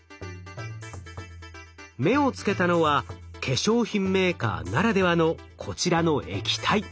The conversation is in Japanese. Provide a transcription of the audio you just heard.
目をつけたのは化粧品メーカーならではのこちらの液体。